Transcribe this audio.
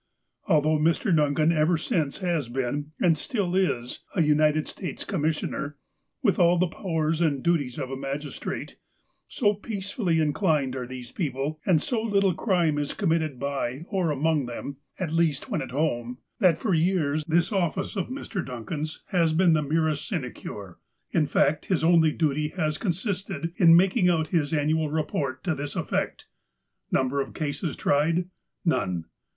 Although Mr. Duncan ever since has been, and still is, a United States Commissioner, with all the powers and duties of a magistrate, so peacefully inclined are these i^eople, and so little crime is committed by or 310 LEAVES FROM MR. DUNCAN'S DIARY 311 among them, at least when at home, that for years this office of Mr. Duncan's has been the merest sinecure. In fact, his only duty has consisted in making out his annual report to this effect :" Number of cases tried ? None."